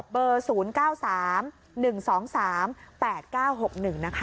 เบอร์๐๙๓๑๒๓๘๙๖๑นะคะ